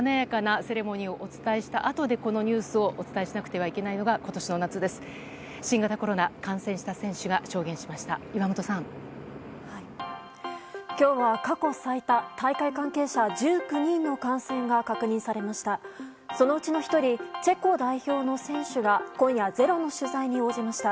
今日は過去最多大会関係者１９人の感染が確認されました。